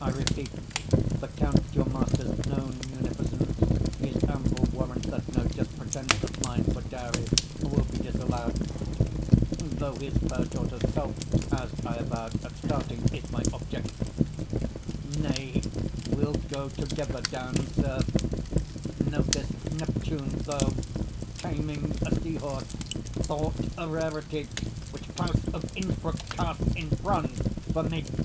I repeat, The Count your master's known munificence Is ample warrant that no just pretence 50 Of mine for dowry will be disallowed; Though his fair daughter's self, as I avowed At starting, is my object. Nay, we'll go Together down, sir. Notice Neptune, though, Taming a sea horse, thought a rarity, Which Claus of Innsbruck cast in bronze for me!